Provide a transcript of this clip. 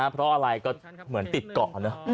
เพราะอะไรก็เหมือนติดเกาะนะ